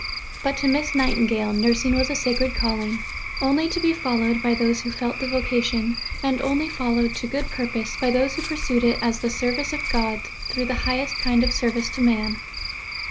But to Miss Nightingale Nursing was a Sacred Calling, only to be followed by those who felt the vocation, and only followed to good purpose by those who pursued it as the service of God through the highest kind of service to man.